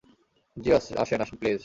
জি আসেন, আসেন প্লিজ।